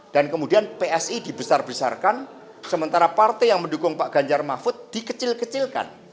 dan kemudian psi dibesar besarkan sementara partai yang mendukung pak ganjar mahfud dikecil kecilkan